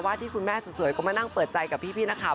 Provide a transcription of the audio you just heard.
ว่าที่คุณแม่สวยก็มานั่งเปิดใจกับพี่นะครับ